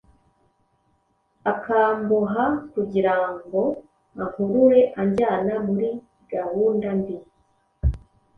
akamboha kugira ngo ankurure anjyana muri gahunda mbi